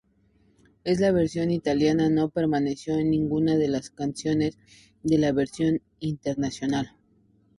En la versión italiana no permaneció ninguna de las canciones de la versión internacional.